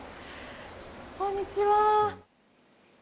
こんにちは。